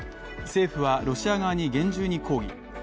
政府はロシア側に厳重に抗議。